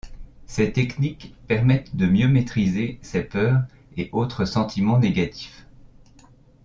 Ces techniques permettent de mieux maîtriser ses peurs et autres sentiments négatifs.